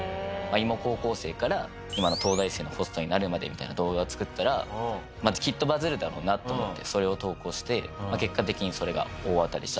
芋高校生から今の東大生のホストになるまでみたいな動画を作ったらきっとバズるだろうなと思ってそれを投稿して結果的にそれが大当たりした。